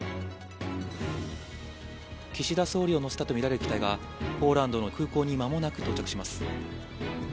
岸田総理を乗せたと見られる機体が、ポーランドの空港にまもなく到着します。